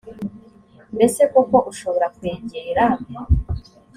mbese koko ushobora kwegera